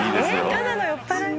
「ただの酔っ払い」